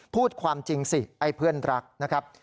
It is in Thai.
พูดความจริงสิไอ้เพื่อนรักนะครับ